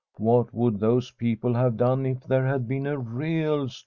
What would those people have done if there had been a real storm